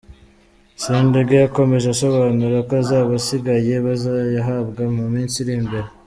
Sendege yakomeje asobanura ko azaba asigaye bazayahabwa mu minsi iri imbere.